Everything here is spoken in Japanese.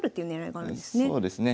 そうですね。